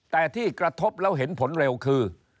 แต่ที่กระทบแล้วเห็นผลเร็วคือ